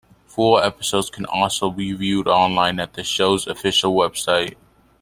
Full episodes can also be viewed online at the show's official website.